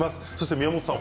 宮本さん